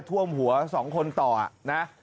ท่วมหัว๒คนต่อนะ